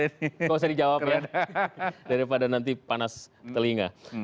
nggak usah dijawab ya daripada nanti panas telinga